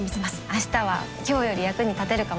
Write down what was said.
明日は今日より役に立てるかもしれない。